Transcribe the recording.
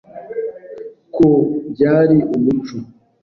Ko byari umuco